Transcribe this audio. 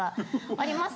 あります。